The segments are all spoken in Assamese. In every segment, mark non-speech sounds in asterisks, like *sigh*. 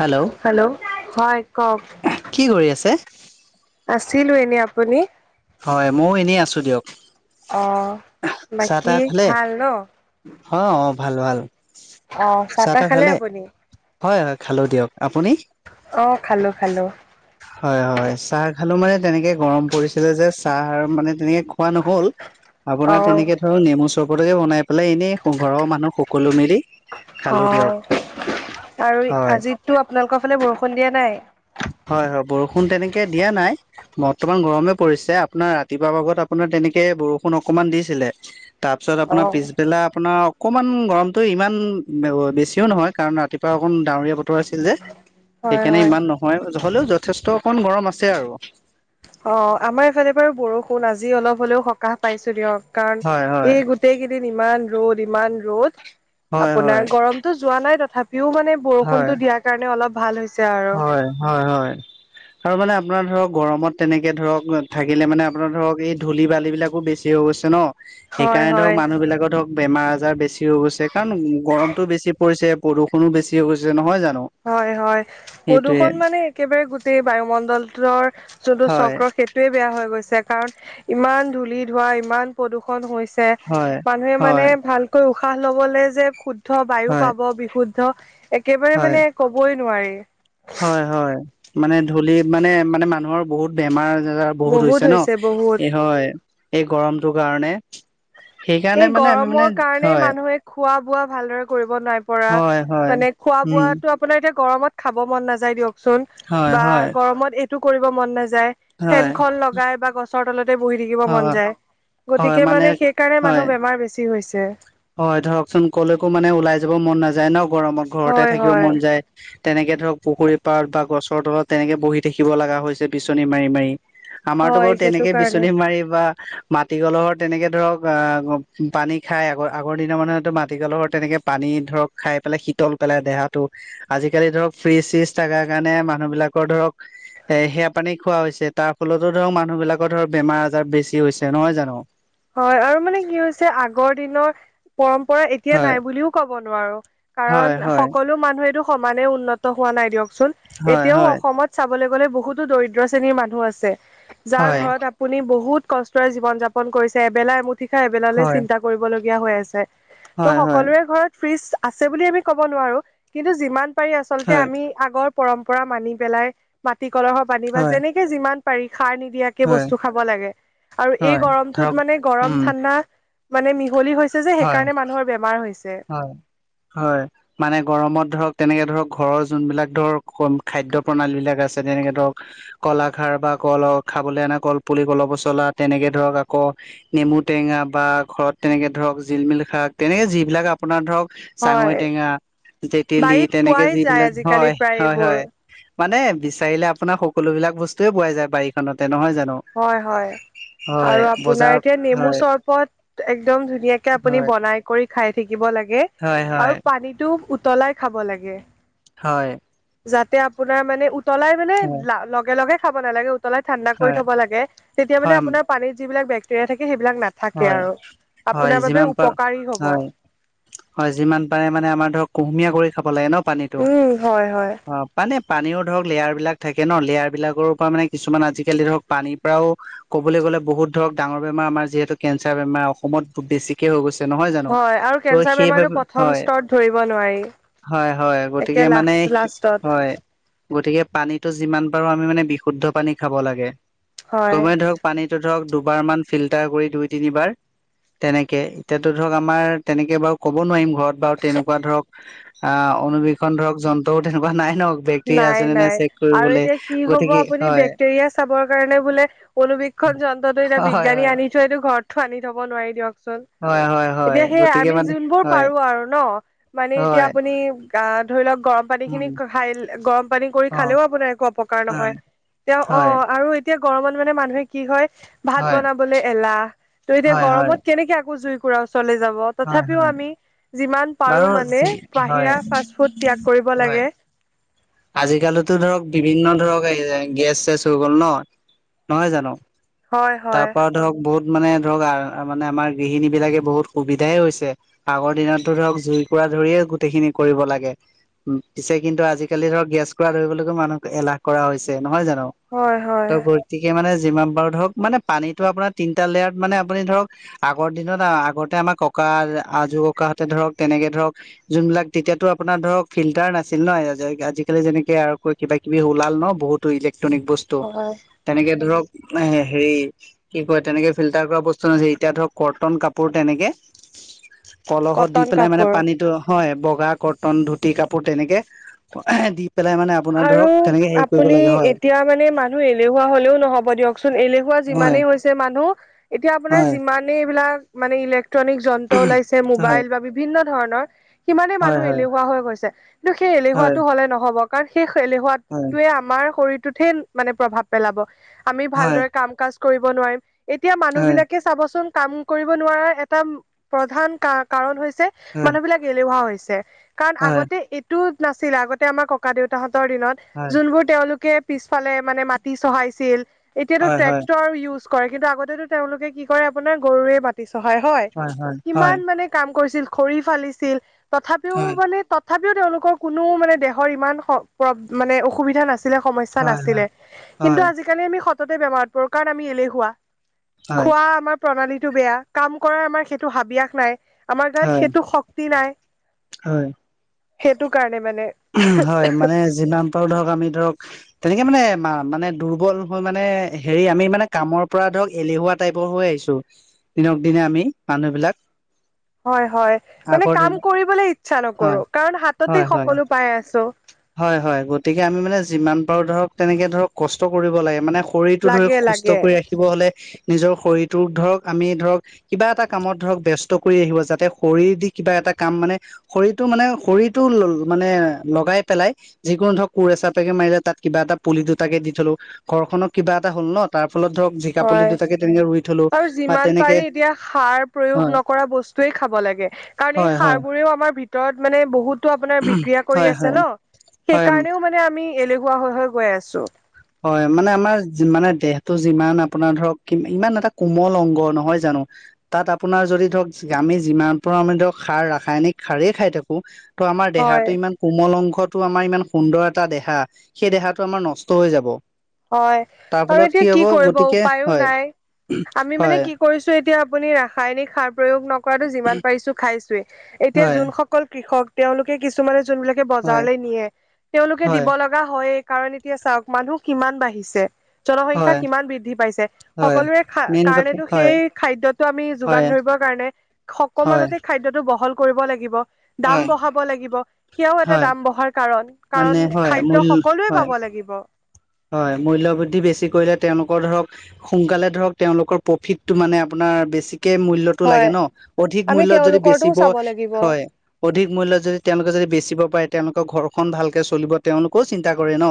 হেল্ল' হেল্ল'ও হয় কওঁক। কি কৰি আছে? আছিলো এনেই, আপুনি? হয়', ময়ো এনেই আছোঁ দিয়ক। অ', চাহ বাকী তাহ খালে? ভাল ন? অ' অ' ভাল ভাল। অ' চাহ তাহ খালে আপুনি? হয়', হয়' খালোঁ দিয়ক। আপুনি? অঁ খালো খালো। হয় হয়, চাহ খালো মানে তেনেকে গৰম পৰিছ- ছিলে যে চাহ আৰু মানে তেনেকে খোৱা নহল। অ আপোনাৰ তেনেকে- আৰু নেমু চৰবতেকে বনাই পেলাই এনেই ঘৰৰ মানুহ সকলো মিলি- খালো দিয়ক। অঁ' আৰু হয় আজিতো আপোনালোকৰ ফালে বৰষুণ দিয়া নাই। হয় হয়, বৰষুণ তেনেকে দিয়া নাই। বৰ্তমান গৰমে পৰিছে আপোনাৰ ৰাতিপুৱাৰ ভাগত আপোনাৰ তেনেকে বৰষুণ অকমান দিছিলে। তাৰপিছত অ আপোনাৰ পিছবেলা আপোনা- অকমান গৰমটো ইমান বেছিও নহয়, কাৰণ ৰাতিপুৱা অকন ডাৱৰীয়া বতৰ আছিল যে। হয় সেইকাণে হয় ইমান নহয়, হ'লেও যথেষ্ট কন গৰম আছে আৰু। অঁ' আমাৰ এফালে বাৰু বৰষুণ আজি অলপ হলেও সকাহ পাইছো দিয়ক, কাৰণ হয় হয় এই গোত- টেই গিদিন ইমান ৰ'দ ইমান ৰ'দ হয় হয় আপোনাৰ গৰমটো যোৱা নাই তথাপিও মানে- বৰষুণতো দিয়াৰ কাৰণে অলপ ভাল হৈছে। আৰু হয় হয় হয় হয়। আৰু মানে আপোনাৰ ধৰক, গৰমত তেনেকে ধৰক, থাকিলে মানে আপোনাৰ ধৰক এই ধূলি বালি বিলাকো বেছি- ছি অৱশ্যে ন। হয় সেইকাৰণে ধৰক হয় মানুহবিলাকৰ ধৰক বেমাৰ আজাৰ বেছি হৈ গৈছে কাৰণ গৰমটো বেছি পৰিছে। প্ৰদূষণো বেছি হৈ গৈছে নহয় জানো। হয় হয়, প্ৰদূষণ সেইটোৱে মানে একেবাৰে গোটেই বায়ুমণ্ডলতৰ যোনটো হয় চক্ৰ সেইট- টোৱেই বেয়া হৈ গৈছে কাৰণ, ইমান ধূলি ধোৱা ইমান প্ৰদূষণ হৈছ- ছে হয় মানুহে হয় মানে ভালকৈ উশাহ লবলে যে শুদ্ধ বায়ু হয় পাব বিশুদ- ত একেবাৰে হয় মানে কবই নোৱাৰি। হয় হয়, মানে ধূলি মানে মানে মানুহৰ বহুত বেমাৰ আজাৰ- বহুত হৈছে ন, এই হয় এই গৰমটোৰ কাৰণে। সেইকাৰণে এই মানে আমি মানে গৰমৰ কাৰণেই হয় মানুহে খোৱা বোৱা ভালদৰে কৰিব নাই পৰা। হয় হয় মানে খোৱা উম বোৱাটো আপ- পোনাৰ এতিয়া গৰমত খাব মন নাযায় দিয়কচোন, হয় বা হয় গৰমত এইটো কৰিব মন নাযায়- হয় ফেন খন লগাই বা গছৰ তলতে বহি থাকিব হয় মন যায় গতিকে মানে সেইকাৰণে মা- হয় মাৰ বেছি হৈছে। হয় ধৰকচোন, ক'লেকো মানে ওলাই যাব মন নাযায় ন গৰমত, ঘৰতে হয় থাকিব হয়। মন যায়। তেনেকে ধৰক পুখুৰী পাৰত বা গছৰ তলত তেনেকে বহি থাকিব লগা হৈছে বিচনী মাৰি মাৰি। আমাৰতো হয় বাৰু সেইটো তেনেকে কাৰণে। বিচনী মাৰি বা- মাটিকলহৰ তেনেকে ধৰক অঁ, পানী খাই আকৌ- আগৰ দিন মানুহেটো মাটিকলহ তেনেকে পানী ধৰক খাই পেলাই শীতল পেলাই দেহাটো। আজিকালি ধৰক ফ্ৰিজ-চিজ থকাৰ কাৰণে মানুহবিলাকৰ ধৰক- এ, সেয়া পানী খোৱা হৈছে, তাৰ ফলতো ধৰক মানুহ বিলাকৰ ধৰক বেমাৰ আজাৰ বেছি হৈছে, নহয় জানো? হয়, আৰু মানে কি হৈছে আগৰ দিনৰ পৰম্পৰা এত- তিয়া হয় নাই বুলিও ক'ব নোৱাৰো, হয় কাৰণ হয় সকলো মানুহেটো সমানে উন্নত হোৱা নাই দিয়কচোন। হয় এতিয়াও হয় অসমত চাবলে গলে বহুতো দৰিদ্ৰ শ্ৰেণীৰ মানুহ আছে, যাৰ হয় ঘৰত আপ- পুনি বহুত কষ্টৰে জীৱন যাপন কৰিছে, এবেলা এমুঠি খাই এবেলালৈ হয় চিন্তা কৰিবলগীয়া হৈ আছে। ত' হয় হয় সকলোৰে ঘৰত ফ্ৰিজ আছে বুলি আমি ক'ব নোৱাৰো, কিন্তু যিমান পাৰি আচলতে হয় আমি- আগৰ পৰম্পৰা মানি পেলাই, মাটি কলহৰ পানী, বা যেনেকে যিমান পাৰি সাৰ নিদিয়াক- কে হয় হয় বস্তু খাব লাগে, আৰু এই হয় ধৰক গৰমটোত মানে গৰম উম ঠাণ্ডা মানে মিহলি হৈছ- ছে যে হয় সেইকাৰণে মানুহৰ বেমাৰ হৈছে। হয় হয়'। মানে গৰমত ধৰক তেনেকে ধৰক ঘৰৰ যোনবিলাক ধৰক খাদ্য প্ৰণালী বিলাক আছে তেনেকে ধৰক- কলাখাৰ বা কল খাবলৈ অনা কল পুলি কল পচলা তেনেকে ধৰক আকৌ নেমু টেঙা বা ঘৰত তেনেকে ধৰক জিলমিল শাক তেনেকে যিবিলাক আপোনাৰ ধৰক চাঙৈ হয় টেঙা তেতিলী বাৰীত তেনেকে পোৱাই যায় যিবিলাক আজিকালি হয়, প্ৰায় হয়, এইবোৰ হয়। মানে বিচাৰিলে আপোনাৰ সকলো বিলাক বস্তুৱেই পোৱাই যায় বাৰীখনতে নহয় জানো। হয়, হয়। হয় আৰু আপোনাৰ বজাৰত এতিয়া নেমু হয় চৰবত একদম ধুনীয়াকে আপুনি হয় বনাই কৰি খাই থাকিব লাগে হয় হয় আৰু পানীটো উতলাই খাব লাগে। হয়। যাতে আপোনাৰ মানে উতলাই মানে হয়। লগে, লগে খাব নালাগে, উতলাই ঠাণ্ডা কৰি হয় থ'ব লাগে, তেতিয়া মানে হয় আপোনাৰ পানীৰ যিবিলাক বেক্টেৰিয়াই সেয়া থাকে সেইবিলাক নাথাকে হয় আৰু, হয় আপোনাৰ বাবে যিমান পাৰ উপকাৰী হব। হয় হয়, যিমান পাৰে মানে আমাৰ ধৰক কুহুমীয়া কৰি খাব লাগে ন পানীতটো, উম হয় হয় অ'। মানে পানীও ধৰক লেয়াৰ বিলাক থাকে ন, লেয়াৰ বিলাকৰ পৰা মানে কিছুমান আজিকালি ধৰক পানীৰ পৰাও ক'বলে গ'লে বহুত ধৰক ডাঙৰ বেমাৰ আমাৰ যিহেতু কেঞ্চাৰ বেমাৰ অসমত খুব বেছিকে হৈ গৈছে নহয় জানো, হয় আৰু ত' কেঞ্চাৰ বেমাৰটো সেইবাবে প্ৰথম হয় স্তৰত ধৰিব নোৱাৰি হয়, হয় একে গতিকে লাখ মানে লাষ্টত হয় গতিকে পানীতো যিমান পাৰো আমি মানে বিশুদ্ধ পানী খাব লাগে হয় চবেই ধৰক পানীটো ধৰক দুবাৰ মান ফিল্টাৰ কৰি দুই তিনিবাৰ তেনেকে এতিয়াতো ধৰক আমাৰ তেনেকে বাৰু ক'ব নোৱাৰিম ঘৰত বাৰু তেনেকুৱা ধৰক অ', অনুবীক্ষন ধৰক যন্ত্ৰও তেনেকুৱা নাই ন। বেক্টেৰিয়া নাই, আছে নে নাই চেক আৰু কৰিবলৈ এতিয়া কি হ'ব গতিকে আপুনি হয় বেক্টেৰিয়া চাবৰ কাৰণে বোলে অনুবীক্ষণ যন্ত্ৰটো এতিয়া হয় বিজ্ঞানী হয় আনি থোৱটো ঘৰতটো আনি থব নোৱাৰি হয় হয় দিয়কচোন। হয় এতিয়া সেই গতিকে আমি মানে যোনবোৰ হয় পাৰো আৰু ন মানে এতিয়া হয় আপুনি আহ ধৰি লওক গৰম পানী উম খিনি খাই গৰম পানী কৰি অ খালেও আপোনাৰ একো অপকাৰ নহয়, হয় এতিয়া হয় অ', আৰু এতিয়া গৰমত মানে মানুহে কি হয়, ভাত হয় বনাবলৈ এলাহ, ত' এতিয়া হয় হয় গৰমত কেনেকে আকৌ জুই কুৰা ওচৰলে যাব। হয় তথাপিও হয় আমি যিমান বাৰু পাৰো মানে যি হয় বাহিৰা ফাষ্ট ফুড ত্যাগ কৰিব লাগে। আজিকালিটো ধৰক বিভিন্ন ধৰক আহি যাই, গেছ-চেছ হৈ গল ন নহয় জানো। হয় তাৰ হয় পৰা ধৰক বহুত মানে ধৰক মানে আমাৰ গৃহিণী বিলাকে বহুত সুবিধাই হৈছে। আগৰ দিনতো ধৰক জুইকুৰা ধৰিয়ে গোটেইখিনি কৰিব লাগে। উ পিছে কিন্তু আজিকালি ধৰক গেছ কৰাুৰা ধৰিবলৈকো মানুহক এলাহ কৰা হৈছে নহয় জানো। হয়, হয়। ত' গতিকে মানে যিমান পাৰোঁ ধৰক মানে পানীটো আপোনাৰ তিনিটা লেয়াৰত মানে আপুনি ধৰক আগৰ দিনত আগতে আমাৰ ককা আজো ককাহঁতে ধৰক তেনেকে ধৰক যোনবিলাক তেতিয়াতো আপোনাৰ ধৰক ফিল্টাৰ নাছিল ন আজিকালি যেনেকে আৰু কিবা কিবি ওলাল ন বহুতো ইলেক্ট্ৰনিক বস্তু হয় তেনেকে ধৰক এ হেৰি কি কয় তেনেকে ফিল্টাৰ কৰা বস্তু নাছিলে এতিয়া ধৰক কটন কাপোৰ তেনেকে কলহত দি কটন পেলাই মানে কাপোৰ পানীতটো হয় বগা কটন ধুতি কাপোৰ তেনেকে দি পেলাই মানে আপোনাৰ আৰু ধৰক তেনেকে হেৰি কৰিব আপুনি লাগে হয় এতিয়া মানে মানুহ এলেহুৱা হলেও নহ'ব দিয়কচোন এলেহুৱা হয় যিমানেই হৈছে মানুহ এতিয়া আপোনাৰ হয় যিমান কালি এইবিলাক মানে ইলেক্ট্ৰনিক যন্ত্ৰ ওলাইছে, হয় মোবাইল বা বিভিন্ন ধৰণৰ সিমানেই হয় মানুহ এলেহুৱা হৈ গৈছে, কিন্তু সেই হয় এলেহুৱাটো হলে নহব, কাৰণ সেই হয় এলেহুৱটোৱে আম আমাৰ শৰীৰটোতহে মানে প্ৰভাৱ পেলাব আমি হয় ভালদৰে কাম কাজ কৰিব নোৱাৰিম। এতিয়া মানুহ হয় বিলাকে চাবচোন কাম কৰিব নোৱাৰাৰ এটা প্ৰধান কা কাৰণ হৈছে। হয় মানুহ বিলাক এলেহোৱা হৈছে, কাৰণ হয় আগতে এইটো নাছিলে, আগতে আমাক কক ককা দেউতাহতৰ দিনত হয় যোনবোৰ তেওঁলোকে পিছফালে মানে মাটি চহাইছিল এতিয়াতো হয় হয় হয় ট্ৰেক্টৰ ইউজ কৰে কিন্তু আগতেতো তেওঁলোকে কি কৰে আপোনাৰ গৰুৱে মাটি। চহাই হয়। হয় হয় কিমান মানে কাম কৰিছিল খৰি ফালিছিল তথাপিও হয় হয় মানে তত তথাপিও তেওঁলোকৰ কোনো মানে দেহৰ ইমান মানে প অসুবিধা নাছিলে সমস্যা চা নাছিলে। হয় কিন্তু হয় আজিকালি আমি সততে বেমাৰত পৰো কাৰণ আমি এলেহুৱা খোৱা আমাৰ প্ৰণালীটো বেয়া কাম কৰা আমাৰ সেইটো হাবিয়াস নাই আমাৰ গাত হয় সেইটো শক্তি নাই হয় সেইটো কাৰণে মানে হয় মানে যিমান পাৰোঁ ধৰক আমি ধৰক তেনেকে মানে মানে দুৰ্বল হৈ মানে হেৰি আমি মানে কামৰ পৰা ধৰক এলেহুৱাত টাইপৰ হৈ আহিছো দিনক দিনে আমি মানুহ বিলাক হয় হয় মানে আগৰ দিন কাম কৰিবলৈ ইচ্ছা হয় নকৰো কাৰণ হয় হাততে হয় সকলো পাই আছো হয়। হয়। গতিকে আমি মানে যিমান পাৰোঁ ধৰক তেনেকৈ ধৰক কষ্ট কৰিব লাগে, মানে শৰীৰটো ধৰি লাগে সুস্থ লাগে কৰি ৰাখিব হ'লে নিজৰ শৰীৰটো ধৰক আমি ধৰক কিবা এটা কামত ধৰক ব্যস্ত কৰি আহিব যাতে শৰীৰ দি কিবা এটা কাম মানে শৰীৰটো মানে শৰীৰটো ল মানে লগাই পেলাই যিকোনো ধৰক কোৰ এচাপেকে মাৰিলে তাত কিবা এটা পুলি দুটাকে দি থলো। ঘৰখনত কিবা এটা হ'ল ন তাৰ ফলত ধৰক জিকা পুলি হয় দুটাকে তেৰিঅক আৰু যিমান পাৰি এতিয়া সাৰ প্ৰয়োগ হয় নকৰা বস্তুৱেই খাব লাগে। কাৰণ এই হয় সাৰ হয় বোৰেও আমাৰ ভিত ভিতৰত মানে বহুতো আপোনাৰ বিক্ৰিয়া কৰি হয় আছে হয় ন সেই হয় কাৰণেও মানে আমি এলেহুৱা হৈ হৈ গৈ আছো। হয় মানে আমাৰ মানে দেহটো যিমান আপোনাৰ ধৰক ইমান এটা কোমল অংগ নহয় জানো? তাত আপোনাৰ যদি ধৰক আমি যিমান পাৰো আমি ধৰক সাৰ ৰাসায়নিক সাৰেই খাই থাকো ত' আমাৰ হয় দেহাটো ইমান কোমল অংশতটো আমাৰ ইমান সুন্দৰ এটা দেহা সেই দেহাটো আমাৰ নষ্ট হৈ যাব। অ হয় আৰু এতিয়া কি কৰিব উপায়ো হয় নাই আমি মানে হয় কি কৰিছো। এতিয়া আপুনি ৰাসায়নিক সাৰ প্ৰয়োগ নকৰাটো যিমান পাৰিছো খাইছোৱেই এতিয়া হয় যোনসকল অকল কৃষক তেওঁলোকে কিছুমানে যোনবিলাকে হয় বজাৰলৈ নিয়ে তেওঁলোকে দিব হয় লাগ না হয়ে এই কাৰণ এতিয়া চাওক মানুহ কিমান বাঢ়িছে জনসংখ্যা হয় কিমান বৃদ্ধি পাইছে হয় সকলোৰে খা মেইন কথা কাৰণেতো হয় সেই খাদ্যটো আমি যোগান হয় ধৰিবৰ কাৰণে হয় খকমানতে খাদ্যটো বহল কৰিব লাগিব দাম হয় বঢ়াব লাগিব সেয়াও এটা হয় দাম বঢ়াৰ কাৰণ মানে কাৰণ হয় খাদ্য মূল সকলোৱে হয় পাব লাগিব হয় মূল্যবৃদ্ধি বেছি কৰিলে তেওঁলোকৰ ধৰক। সোনকালে ধৰক তেওঁলোকৰ প্ৰফিটটো মানে আপোনাৰ বেছিকে মূল্যত টো লাগে হয় ন অধিক আমি মূল্যত যদি তেওঁলোকৰটোও বেচিব চাব লাগিব হয় অধিক মূল্য যদি তেওঁলোকে যদি বেচিব পাৰে তেওঁলোকৰ ঘৰখন ভালকে চলিব তেওঁলোকেও চিন্তা কৰে ন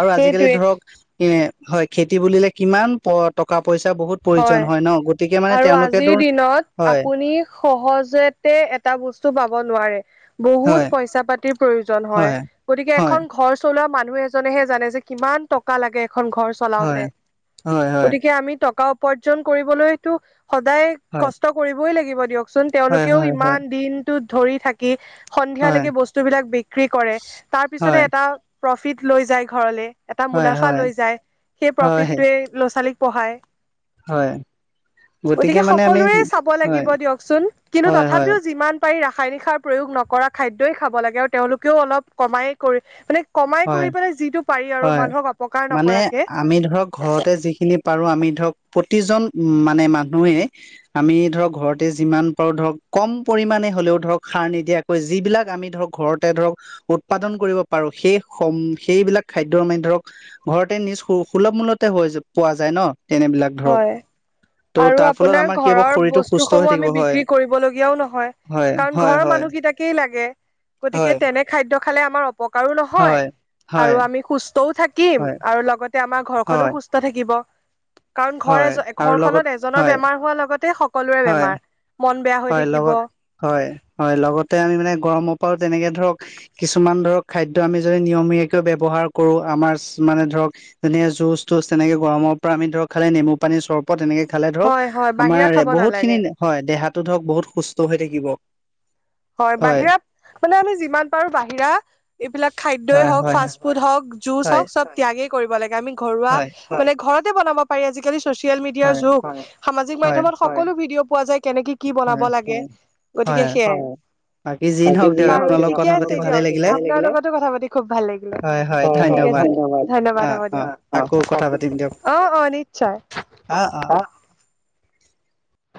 আৰু আজিকালি সেইটোৱে ধৰক এ হয় খেতি বুলিলে কিমান প টকা পইচা বহুত প্ৰয়োজন হয় ন গতিকে মানে আৰু আজিৰ তেওঁলোকেতো দিনত হয়। আপুনি সহজতে এটা বস্তু পাব নোৱাৰে বহুত হয় পইচা পাতি *unintelligible* প্ৰয়োজন হয়। গতিকে হয় এখন ঘৰ চলোৱা মানুহ এজনেহে জানে যে কিমান টকা লাগে এখন ঘৰ চলাওঁতে। হয় হয় হয় গতিকে আমি টকা উপাৰ্জন কৰিবলৈতো সদায় হয় হয় কষ্ট কৰিবই লাগিব দিয়ক চোন হয় তেওঁলোকেও হয় ইমান দিনটোত ধৰি থাক হয় হয় সন্ধিয়ালৈকে বস্তু বিলাক বিক্ৰী কৰে তাৰ পিছতহে এটা। প্ৰফিট লৈ যায় ঘৰলে এটা হয় হয় মুনাফা লৈ যায় সেই হয় প্ৰফিটটোৱে ল'ৰা ছোৱালীক পঢ়ায়। হয়। গতিকে মানে আমি সকলোৰে চাব হয় লাগিব দিয়কচোন কিন্তু হয় হয় তথাপিও যিমান পাৰি ৰাসায়নিক সাৰ প্ৰয়োগ নকৰা খাদ্যই খাব লাগে আৰু তেওঁলোকেও অলপ কমাই কৰি মানে কমাই হয় কৰি পেলাই যিটো পাৰি আৰু হয় মানুহক অপকাৰ নকৰাকে। পাৰোঁ আমি ধৰক প্ৰতিজন মানে মানুহে। আমি ধৰক ঘৰতে যিমান পাৰোঁ ধৰক কম পৰিমাণে হ'লেও ধৰক সাৰ নিদিয়া যিবিলাক আমি ধৰক ঘৰতে ধৰক উৎপাদন কৰিব পাৰোঁ সেই সেইবিলাক খাদ্য মানে ধৰক ঘৰতে নিজ সু-সুলভ মূলতে হৈ পোৱা যায় নহ। তেনেবিলাক ধৰক। হয় ত' আৰু তাৰ ফলত আপোনাৰ আমাৰ কি হ'ব ঘৰৰ শৰীৰটো বস্তু সুস্থ হৈ সমূহ থাকিব আমি হয় বিক্ৰী কৰিবলগীয়াও নহয়। হয় কাৰণ হয় ঘৰৰ হয় মানুহকেইটাকেই লাগে গতিকে হয় তেনে খাদ্য খালে আমাৰ অপকাৰো নহয় হয় হয় আৰু আমি সুস্থও থাকিম হয় আৰু লগতে আমাৰ হয় ঘৰখনো সু স্থ থাকিব। কাৰণ ঘৰ হয় আৰু লগত ঘৰখনত এজনৰ হয় বেমাৰ হোৱাৰ লগতে সকলোৰে হয় বেমাৰ। মন বেয়া হৈ হয় থাকিব। লগত হয়, হয়। লগতে আমি মানে গৰমৰ পৰাও তেনেকে ধৰক। কিছুমান ধৰক খাদ্য আমি যদি নিয়মীয়াকৈ ব্যৱহাৰ কৰোঁ আমাৰ মানে ধৰক। যেনে জুচ তুচ তেনেকে গৰমৰ পৰা আমি ধৰক খালে নেমু। পানীৰ চৰবত এনেকে খালে ধৰক হয় হয় বাহিৰা আমাৰ খাব বহুত খিনি নালাগে হয় দেহাত। ধৰক বহুত সুস্থ হৈ থাকিব। হয় বাহিৰাত আপোনাৰ আমি যিমান পাৰোঁ বাহিৰা এইবিলাক খাদ্যই হয় হওক হয় ফাষ্ট ফুড হওক। জুছ হয় হওক চব ত্যাগে কৰিব লাগে আমি ঘৰুৱা হয় মানে ঘৰতে বনাব পাৰি আজিকালি চচিয়েল মিডিয়াৰ হয় যুগ সামাজিক হয় মাধ্যমত সকলো ভিডিঅ' পোৱা যায় কেনেকে কি বনাব হয় লাগে হয় গতিকে সেইয়াই। বাকী যি নহওক দিয়ক বাৰু আপোনাৰ লগত কথা ঠিকে পাতি আছে ভালে দিয়ক লাগিলে আপোনাৰ লগতো কথা পাতি খুব ভাল লাগিলে। হয়, হয় ধন্যবাদ। অ ধন্যবাদ হ'ব অ আকৌ কথা পাতিম দিয়ক দিয়ক। অ, অ নিশ্চয়। অ', অ'। হা